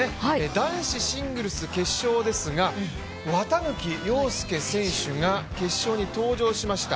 男子シングルス決勝ですが、綿貫陽介選手が決勝に登場しました。